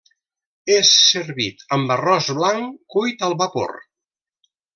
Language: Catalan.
És servit amb arròs blanc cuit al vapor.